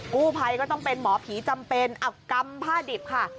กู้ภัยก็ต้องเป็นหมอผีจำเป็นเอากำผ้าดิบค่ะ